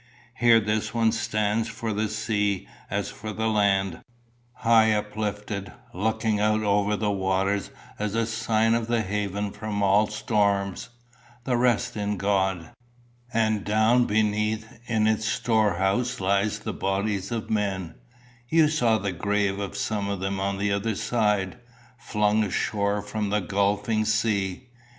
Here this one stands for the sea as for the land, high uplifted, looking out over the waters as a sign of the haven from all storms, the rest in God. And down beneath in its storehouse lie the bodies of men you saw the grave of some of them on the other side flung ashore from the gulfing sea.